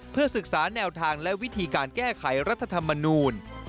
เพื่อศึกษาแนวทางและวิธีการแก้ไขรัฐธรรมนูล